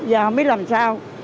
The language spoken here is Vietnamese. giờ không biết làm sao